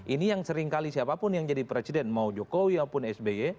ini yang seringkali siapapun yang jadi presiden mau jokowi maupun sby